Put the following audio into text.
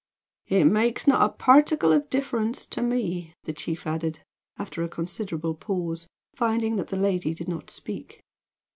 "It makes not a particle of difference to me," the chief added, after a considerable pause, finding that the lady did not speak.